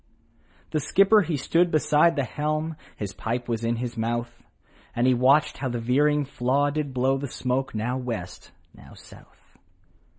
The skipper he stood beside the helm, His pipe was in his mouth, And he watched how the veering flaw did blow The smoke now West, now South.